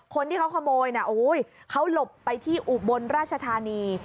คนที่เขาขโมยน่ะอุ้ยเขาหลบไปที่บนราชธานี